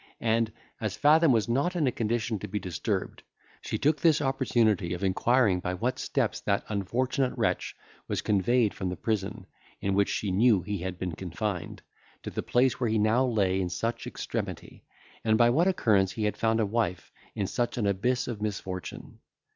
And, as Fathom was not in a condition to be disturbed, she took this opportunity of inquiring by what steps that unfortunate wretch was conveyed from the prison, in which she knew he had been confined, to the place where he now lay in such extremity; and by what occurrence he had found a wife in such an abyss of misfortune.